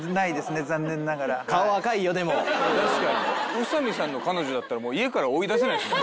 宇佐美さんの彼女だったら家から追い出せないっすね。